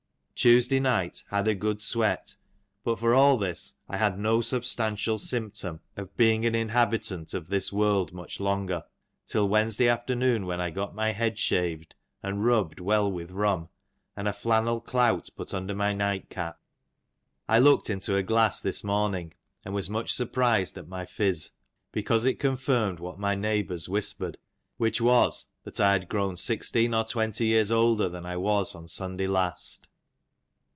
Tuesday night had a good sweat, but for all this I had no substantial symptom of being an inhabitant of XX this world much longer, till Wedneaday afternoon, when I got my head shaved, and rubbed well with rum, and a flannel clout put under my night cap. I looked into a glass this morning and was much surprised at my phyz, because it confirmed what my neighbom s whispered, which was that I was grown sixteen or twenty years older than I was on Sunday last."